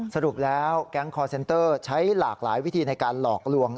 สรุปแล้วแก๊งคอร์เซนเตอร์ใช้หลากหลายวิธีในการหลอกลวง